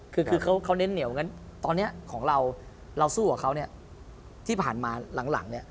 คือเขาเน้นเหนียวตอนนี้เราสู้กับเขาที่ผ่านมาหลัง